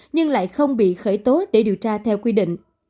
nhưng lại không bị khởi tố để điều tra theo quy định